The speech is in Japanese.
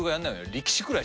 力士くらい。